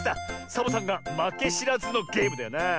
サボさんがまけしらずのゲームだよなあ。